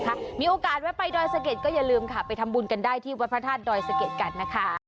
ถ้ามีโอกาสแวะไปดอยสะเก็ดก็อย่าลืมค่ะไปทำบุญกันได้ที่วัดพระธาตุดอยสะเก็ดกันนะคะ